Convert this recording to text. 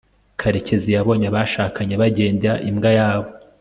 karekezi yabonye abashakanye bagenda imbwa yabo